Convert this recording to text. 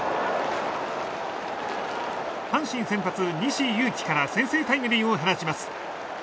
阪神先発、西勇輝から先制タイムリーを放ちます。